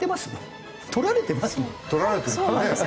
取られてるんですもん。